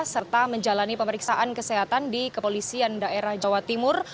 serta menjalani pemeriksaan kesehatan di kepolisian daerah jawa timur